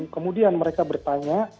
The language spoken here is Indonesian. kemudian mereka bertanya